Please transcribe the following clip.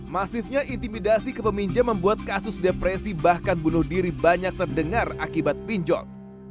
masifnya intimidasi ke peminjam membuat kasus depresi bahkan bunuh diri banyak terdengar akibat pinjol